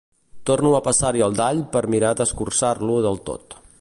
Torno a passar-hi el dall per mirar d'escorçar-lo del tot.